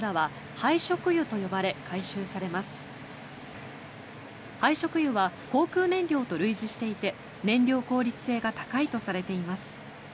廃食油は航空燃料と類似していて燃料効率性が高いとされています。